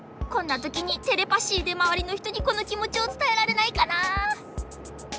こんなときにテレパシーでまわりのひとにこのきもちをつたえられないかな。